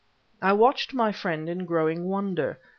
I watched my friend in growing wonder.